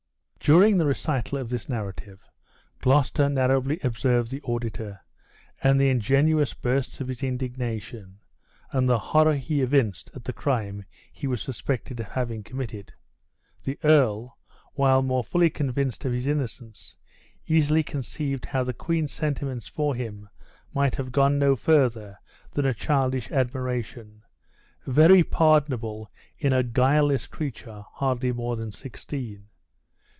During the recital of this narrative, Gloucester narrowly observed the auditor, and the ingenuous bursts of his indignation, and the horror he evinced at the crime he was suspected of having committed, the earl, while more fully convinced of his innocence, easily conceived how the queen's sentiments for him might have gone no further than a childish admiration, very pardonable in a guileless creature hardly more than sixteen.